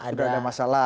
sudah ada masalah